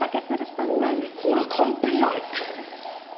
これ完璧じゃないですか？